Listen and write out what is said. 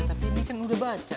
tapi ini kan udah baca